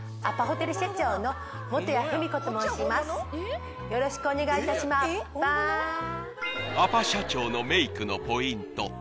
アパアパ社長のメイクのポイント